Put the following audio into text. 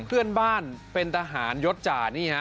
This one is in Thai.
เพื่อนบ้านเป็นทหารยศจ่านี่ฮะ